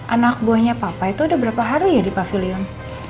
anak buahnya papa itu udah berapa hari ya di pavilion